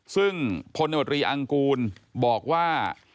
ซึ่งพลนวตรีอังกูลบอกว่า